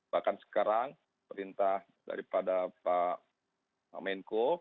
bahkan sekarang perintah daripada pak menko